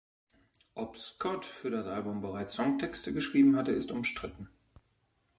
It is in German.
Ob Scott für das Album bereits Songtexte geschrieben hatte, ist umstritten.